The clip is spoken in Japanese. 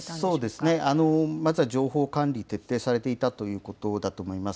そうですね、まずは情報管理、徹底されていたということだと思います。